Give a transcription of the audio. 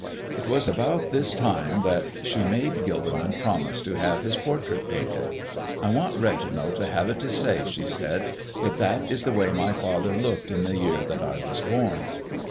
It was about this time that she made Gilderman promise to have his portrait painted. "I want Reginald to have it to say," she said, "that that is the way my father looked in the year that I was born."